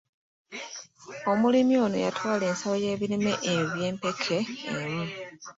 Omulimi ono yatwala ensawo y'ebirime eby'empeke emu.